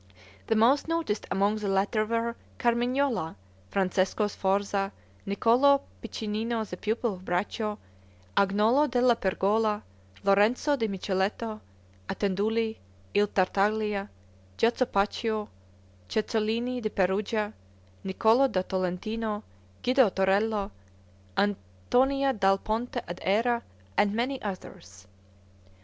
The most noticed among the latter were Carmignola, Francesco Sforza, Niccolo Piccinino the pupil of Braccio, Agnolo della Pergola, Lorenzo di Micheletto Attenduli, il Tartaglia, Giacopaccio, Cecolini da Perugia, Niccolo da Tolentino, Guido Torello, Antonia dal Ponte ad Era, and many others.